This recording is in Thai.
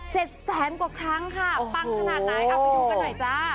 เจ็ดแสนกว่าครั้งค่ะโอ้โหแป้งขนาดไหนเอาไปดูกันหน่อยจ้า